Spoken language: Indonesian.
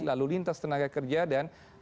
lalu lintas tenaga kerja dan